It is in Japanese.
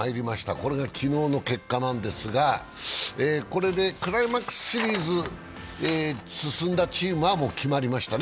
これが昨日の結果なんですが、これでクライマックスシリーズに進んだチームはもう決まりましたね。